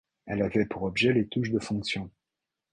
Elle avait pour objet les touches de fonction.